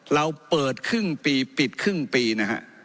เราเปิดครึ่งปีปิดครึ่งปีนะฮะ